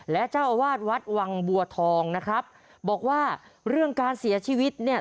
และเจ้าอาวาสวัดวังบัวทองนะครับบอกว่าเรื่องการเสียชีวิตเนี่ย